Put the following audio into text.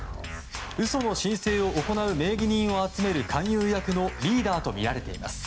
嘘の申請を行う名義人を集める勧誘役のリーダーとみられています。